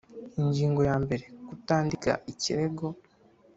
Ingingo ya mbere Kutandika ikirego